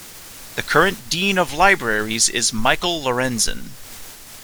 The current Dean of Libraries is Michael Lorenzen.